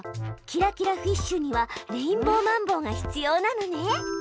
キラキラフィッシュにはレインボーマンボウが必要なのね！